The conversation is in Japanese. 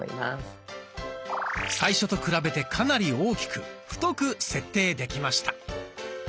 最初と比べてかなり大きく太く設定できました。